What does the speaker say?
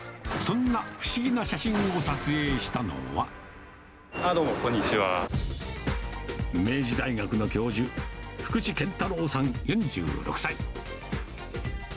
そんな不思議な写真を撮影したのは、明治大学の教授、福地健太郎さん４６歳。